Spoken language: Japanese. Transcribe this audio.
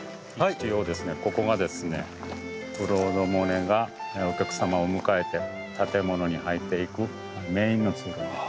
一応ここがですねクロード・モネがお客様を迎えて建物に入っていくメインの通路です。